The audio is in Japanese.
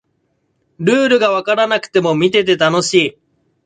ルールがわからなくても見てて楽しい